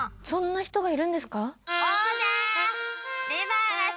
そんな人がいるんですか？